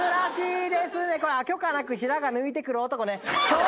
「許可なく白髪抜いてくる男」ね。